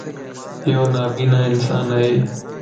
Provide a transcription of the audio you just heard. ايونابينا انسان ائي